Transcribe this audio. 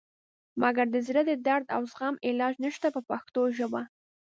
مګر د زړه د درد او زخم علاج نشته په پښتو ژبه.